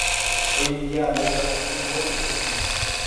Hoy en día alberga fútbol y rugby.